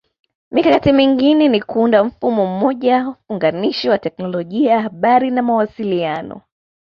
Mikakati mingine ni kuunda mfumo mmoja funganishi wa Teknolojia Habari na Mawasiliano